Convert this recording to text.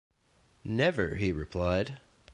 'Never,' he replied.